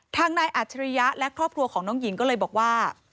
ทางนายอัจฉริยะและครอบครัวของน้องหญิงก็เลยบอกว่า